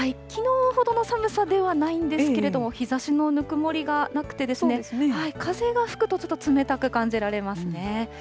きのうほどの寒さではないんですけれども、日ざしのぬくもりがなくて、風が吹くとちょっと冷たく感じられますね。